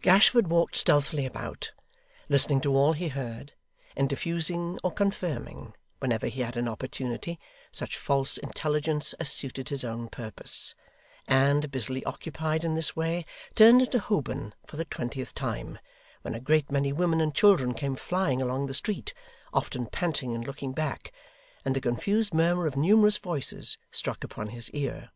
Gashford walked stealthily about, listening to all he heard, and diffusing or confirming, whenever he had an opportunity, such false intelligence as suited his own purpose; and, busily occupied in this way, turned into Holborn for the twentieth time, when a great many women and children came flying along the street often panting and looking back and the confused murmur of numerous voices struck upon his ear.